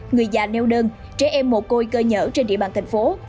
người già neo đơn trẻ em mồ côi cơ nhở trên địa bàn thành phố